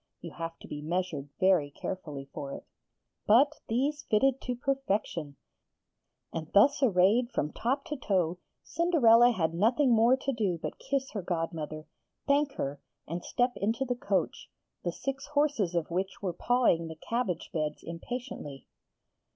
You have to be measured very carefully for it. But these fitted to perfection: and thus arrayed from top to toe, Cinderella had nothing more to do but kiss her godmother, thank her, and step into the coach, the six horses of which were pawing the cabbage beds impatiently.